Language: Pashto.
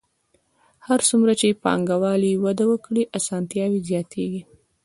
هر څومره چې پانګوالي وده وکړي اسانتیاوې زیاتېږي